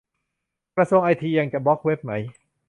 กระทรวงไอซีทีจะยังบล็อคเว็บไหม